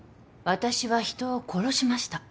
「私は人を殺しました」